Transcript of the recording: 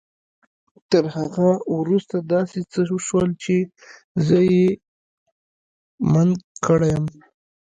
تر هغه وروسته داسې څه وشول چې زه يې هيλε مند کړم.